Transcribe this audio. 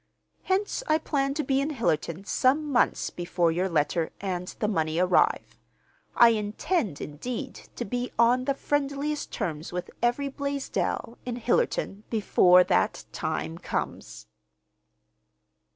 Hence, I plan to be in Hillerton some months before your letter and the money arrive. I intend, indeed, to be on the friendliest terms with every Blaisdell in Hillerton before that times comes."